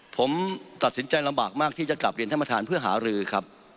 ผมตัดสินใจลำบากมากที่จะกลับเรียนท่านประธานเพื่อหารือครับ